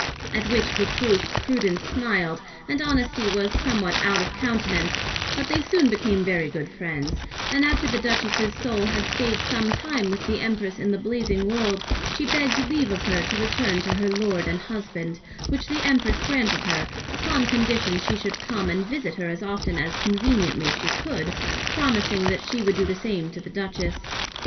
At which reproof Prudence smiled, and Honesty was somewhat out of countenance; but they soon became very good friends: and after the Duchess's Soul had stayed some time with the Empress in the Blazing World, she begg'd leave of her to return to her Lord and Husband; which the Empress granted her, upon condition she should come and visit her as often as conveniently she could, promising that she would do the same to the Duchess.